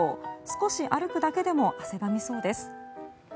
少し歩くだけでも汗ばみそうです。